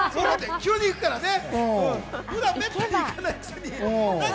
急に行くからね。